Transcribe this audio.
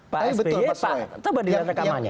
pak sby itu bandingan rekamannya